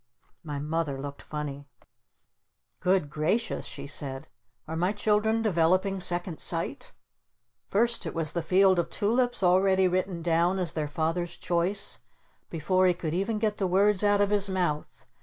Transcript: My Mother looked funny. "Good Gracious," she said. "Are my children developing 'Second Sight'? First it was the 'Field of Tulips' already written down as their Father's choice before he could even get the words out of his mouth!